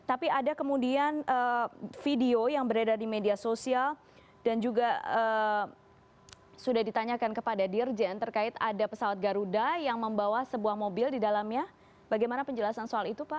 tapi ada kemudian video yang beredar di media sosial dan juga sudah ditanyakan kepada dirjen terkait ada pesawat garuda yang membawa sebuah mobil di dalamnya bagaimana penjelasan soal itu pak